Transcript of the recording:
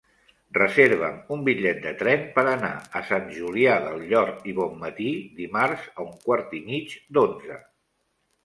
Reserva'm un bitllet de tren per anar a Sant Julià del Llor i Bonmatí dimarts a un quart i mig d'onze.